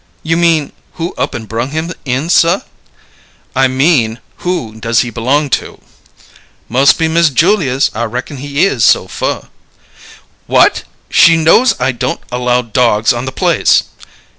"You mean: Who up an' brung him in, suh?" "I mean: Who does he belong to?" "Mus' be Miss Julia's. I reckon he is, so fur." "What! She knows I don't allow dogs on the place."